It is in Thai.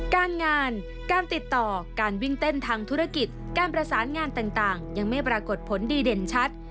การงานการติดต่อการวิ่งเต้นทางธุรกิจการประสานงานต่างยังไม่ปรากฏผลดีเด่นชัด